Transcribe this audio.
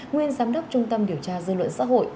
nguyên giám đốc trung tâm điều tra dư luận xã hội